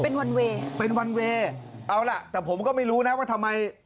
เป็นวันเวย์เป็นวันเวย์เอาล่ะแต่ผมก็ไม่รู้นะว่าทำไม